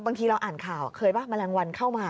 บางทีเราอ่านข่าวเคยป่ะแมลงวันเข้ามา